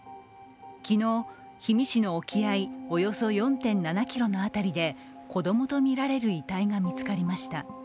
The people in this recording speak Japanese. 昨日、氷見市の沖合およそ４．７ｋｍの辺りで子供とみられる遺体が見つかりました。